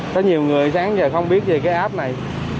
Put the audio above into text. có nhiều người sáng giờ không biết về cái app này